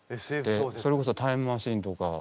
それこそタイムマシーンとか。